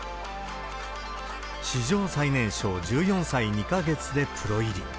史上最年少１４歳２か月でプロ入り。